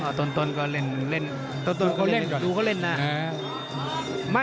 อ่าตนตนก็เล่นเล่นตนตนก็เล่นกันดูเขาเล่นนะ